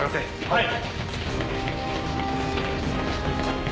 はい。